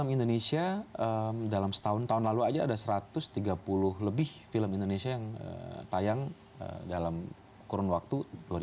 film indonesia dalam setahun tahun lalu aja ada satu ratus tiga puluh lebih film indonesia yang tayang dalam kurun waktu dua ribu dua